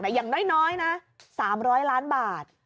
อย่างน้อยนะ๓๐๐ล้านบาท